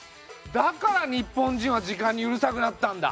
だから日本人は時間にうるさくなったんだ！